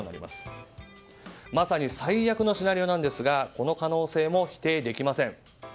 まさに最悪のシナリオなんですがこの可能性も否定できません。